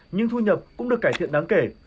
nhưng thu nhập cũng được cải thiện đáng kể